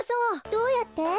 どうやって？